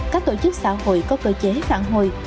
các tổ chức xã hội có cơ chế phản hồi